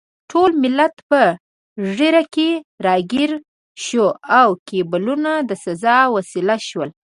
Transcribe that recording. ټول ملت په ږیره کې راګیر شو او کیبلونه د سزا وسیله شول.